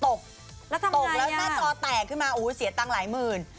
ตกตกแล้วหน้าจอแตกขึ้นมาโอ้โหเสียตังค์หลายหมื่น